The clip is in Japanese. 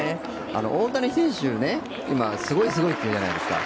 大谷選手、すごいすごいって言うじゃないですか。